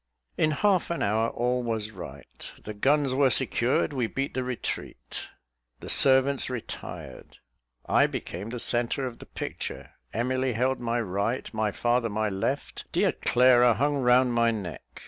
In half an hour, all was right; "the guns were secured we beat the retreat;" the servants retired. I became the centre of the picture. Emily held my right, my father my left; dear Clara hung round my neck.